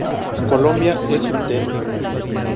Colombia es un tema